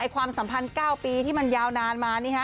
ความสัมพันธ์๙ปีที่มันยาวนานมา